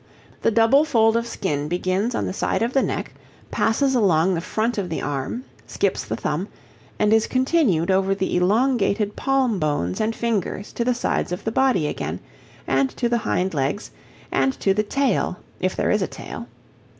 The double fold of skin begins on the side of the neck, passes along the front of the arm, skips the thumb, and is continued over the elongated palm bones and fingers to the sides of the body again, and to the hind legs, and to the tail if there is a tail.